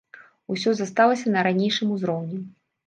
Усё засталася на ранейшым узроўні.